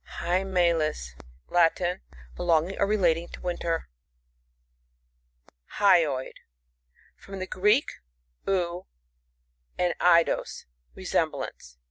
HvEMAUs. — Latin. Belonging or relating to winter. Hyoid. — From the Greek, tf, and etc^os, resemblance.